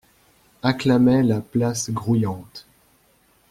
Acclamait la place grouillante.